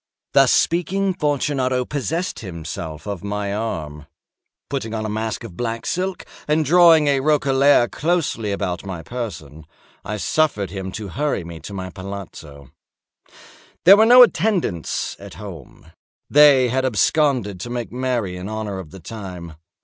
Thus speaking, Fortunato possessed himself of my arm. Putting on a mask of black silk, and drawing a roquelaire closely about my person, I suffered him to hurry me to my palazzo. There were no attendants at home; they had absconded to make merry in honor of the time.